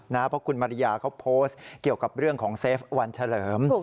เพราะคุณมาริยาเขาโพสต์เกี่ยวกับเรื่องของเซฟวันเฉลิม